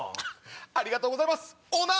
ありがとうございますオーナー！